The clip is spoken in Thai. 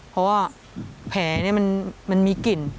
เพราะว่าแผลมันมีกลิ่น